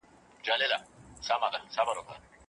علمي پوهه تر ګومان غوره ده.